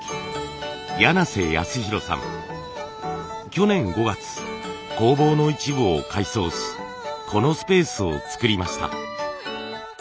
去年５月工房の一部を改装しこのスペースを作りました。